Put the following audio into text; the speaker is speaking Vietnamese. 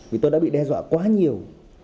vì tôi đã bị đe dọa quá nhiều